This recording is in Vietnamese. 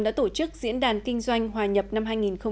đã tổ chức diễn đàn kinh doanh hòa nhập năm hai nghìn một mươi chín